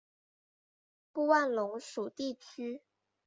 布万龙属地区。